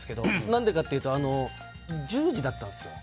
何でかというと１０時だったんですよ。